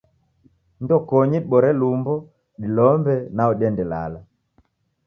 Ndokonyi dibore lumbo, dilombe nao diende lala.